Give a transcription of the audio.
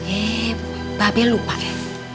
eh babel lupa ya